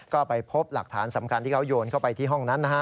ก็ไปพบหลักฐานสำคัญที่เขาโยนเข้าไปที่ห้องนั้นนะฮะ